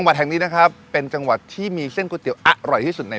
แต่ก่อนจะไปดูเรื่องเส้น